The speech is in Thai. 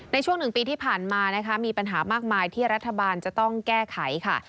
ในช่วง๑ปีที่ผ่านมานะคะมีปัญหามากมายที่รัฐบาลจะต้องแก้ไขค่ะ